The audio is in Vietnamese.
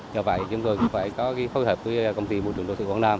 do vậy chúng tôi cũng phải có phối hợp với công ty bộ nhân tỉnh quảng nam